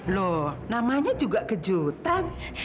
loh namanya juga kejutan